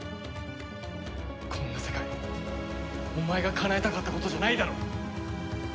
こんな世界お前がかなえたかったことじゃないだろ。